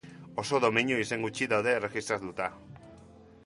Oso domeinu izen gutxi daude erregistratuta.